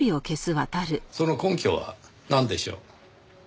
その根拠はなんでしょう？